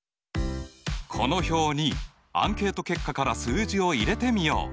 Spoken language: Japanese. この表にアンケート結果から数字を入れてみよう。